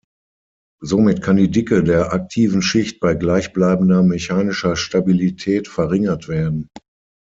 Somit kann die Dicke der aktiven Schicht bei gleich bleibender mechanischer Stabilität verringert werden.